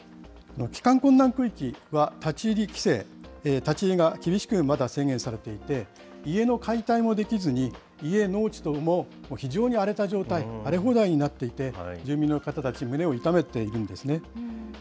帰還困難区域は立ち入り規制、立ち入りが厳しく、まだ制限されていて、家の解体もできずに、家、農地とも非常に荒れた状態、荒れ放題になっていて、住民の方たち、胸を痛めているんですね。